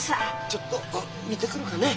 ちょっと見てくるかね